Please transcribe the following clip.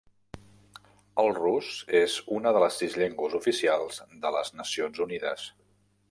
El rus és una de les sis llengües oficials de les Nacions Unides.